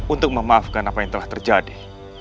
untuk memaafkan apa yang telah terjadi